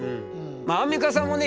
アンミカさんもね